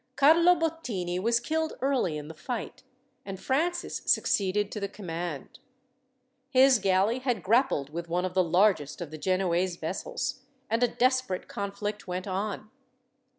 Carlo Bottini was killed early in the fight, and Francis succeeded to the command. His galley had grappled with one of the largest of the Genoese vessels, and a desperate conflict went on.